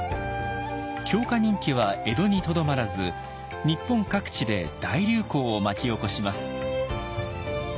狂歌人気は江戸にとどまらず日本各地で大流行を巻き起こします。